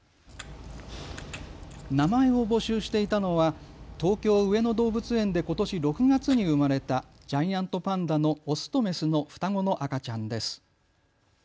名前を募集していたのは東京、上野動物園でことし６月に生まれたジャイアントパンダの雄と雌の双子の赤ちゃんです。